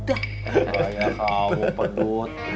oh ya kamu pedut